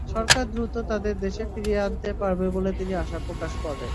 সরকার দ্রুত তাদের দেশে ফিরিয়ে আনতে পারবে বলে তিনি আশা প্রকাশ করেন।